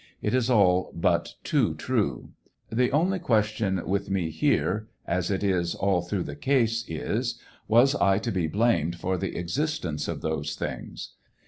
It is all but too true. The only question with me here, as it is all through the case, is, was I to be blamed for the existence of those things